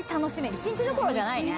一日どころじゃないね。